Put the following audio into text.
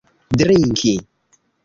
drinki